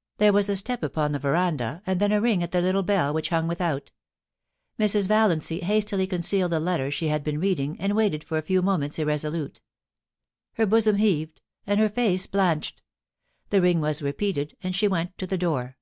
* There was a step upon the veranda, and then a ring at the littfe ben which hung without Mrs. Valiancy hastily con cealed the letter she had been reading, and waited for a few moments irresolute. Her bosom hea^ ed, and her face blanched. The ring was repeated, and she went to the door.